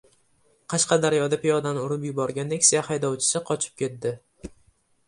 Qashqadaryoda piyodani urib yuborgan Nexia haydovchisi qochib ketdi